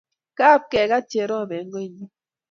Kop kegat Cherop eng' koinyi